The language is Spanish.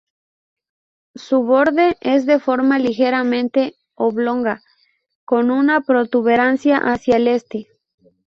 Su borde es de forma ligeramente oblonga, con una protuberancia hacia el este.